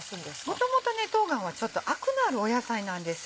元々冬瓜はちょっとアクのある野菜なんです。